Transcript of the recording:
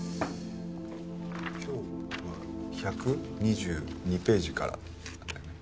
今日は１２２ページからだよね？